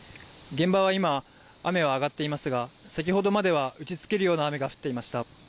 現場は今、雨は上がっていますが先ほどまでは打ちつけるような雨が降っていました。